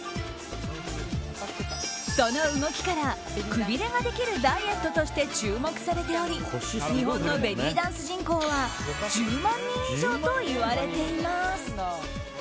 その動きからくびれができるダイエットとして注目されており日本のベリーダンス人口は１０万人以上といわれています。